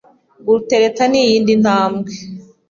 gutereta ni iyindi ntabwe